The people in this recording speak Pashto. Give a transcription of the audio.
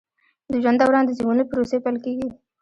د ژوند دوران د زیږون له پروسې پیل کیږي.